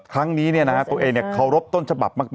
ครั้งนี้ตัวเองเคารพต้นฉบับมาก